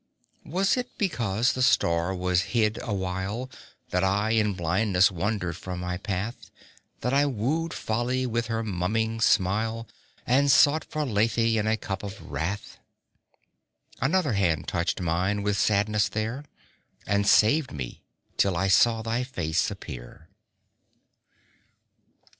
Was it because the star was hid awhile, That I in blindness wandered from my path; That I wooed Folly with her mumming smile, And sought for Lethe in a cup of wrath? Another hand touched mine with sadness there, And saved me till I saw thy face appear.